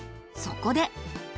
そこで。